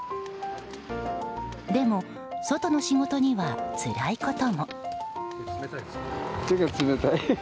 でも、外の仕事にはつらいことも。